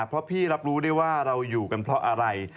เพราะพี่รับรู้ได้ว่าเราอยู่กันเพราะอะไร